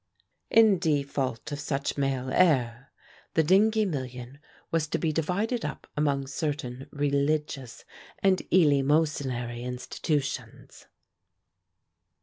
In default of such male heir, the Dingee million was to be divided up among certain religious and eleemosynary institutions.